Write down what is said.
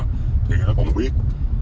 thì nó không biết